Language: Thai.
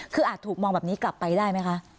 คืออาจถูกมองแบบนี้กลับไปได้ไหมคะ